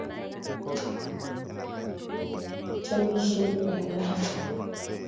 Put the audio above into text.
Kichobishei eng kaa